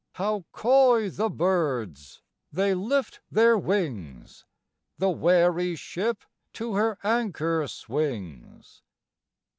How coy the birds! they lift their wings; The wary ship to her anchor swings.